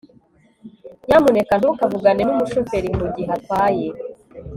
nyamuneka ntukavugane numushoferi mugihe atwaye